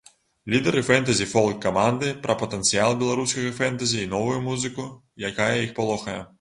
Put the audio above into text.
Лідары фэнтэзі-фолк-каманды пра патэнцыял беларускага фэнтэзі і новую музыку, якая іх палохае.